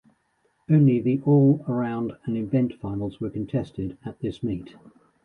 Only the all-around and event finals were contested at this meet.